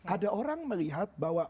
ada orang melihat bahwa